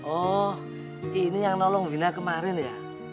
oh ini yang nolong bu ina kemarin ya